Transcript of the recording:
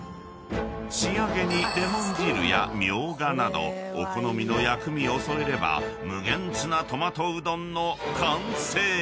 ［仕上げにレモン汁やミョウガなどお好みの薬味を添えれば無限ツナトマトうどんの完成］